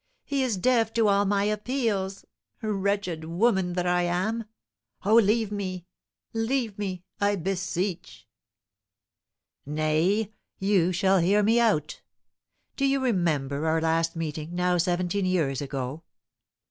He is deaf to all my appeals! Wretched woman that I am! Oh, leave me leave me I beseech!" "Nay, you shall hear me out! Do you remember our last meeting, now seventeen years ago?